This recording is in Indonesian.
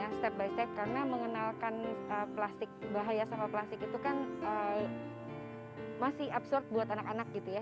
kita pelan pelan sebenarnya step by step karena mengenalkan plastik bahaya sampah plastik itu kan masih absurd buat anak anak gitu ya